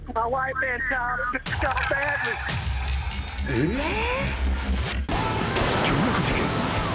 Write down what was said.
・えっ？